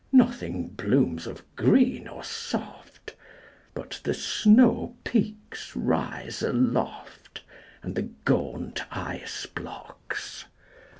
Nothing blooms of green or soft, But the snowpeaks rise aloftAnd the gaunt ice blocks.